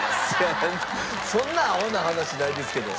そんなアホな話ないですけど。